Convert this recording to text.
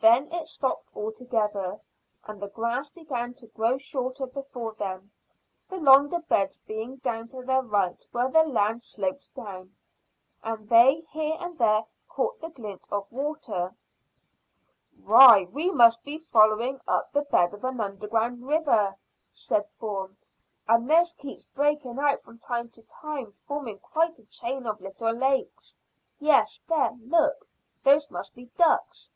Then it stopped altogether, and the grass began to grow shorter before them, the longer beds being down to their right where the land sloped down, and they here and there caught the glint of water. "Why, we must be following up the bed of an underground river," said Bourne, "and this keeps breaking out from time to time, forming quite a chain of little lakes. Yes, there, look; those must be ducks."